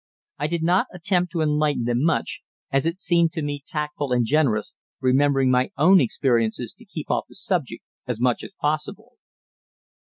I did not attempt to enlighten them much, as it seemed to me tactful and generous, remembering my own experiences to keep off the subject as much as possible.